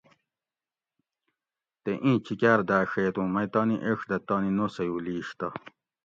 تے ایں چِکار داڛیت اوں مئی تانی ایڄ دہ تانی نوسیو لیش تہ